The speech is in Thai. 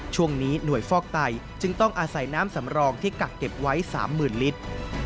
ช่วงนี้หน่วยฟอกไตจึงต้องอาศัยน้ำสำรองที่กักเก็บไว้๓๐๐๐ลิตร